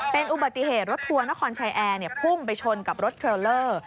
เป็นอุบัติเหตุรถทัวร์นครชายแอร์พุ่งไปชนกับรถเทรลเลอร์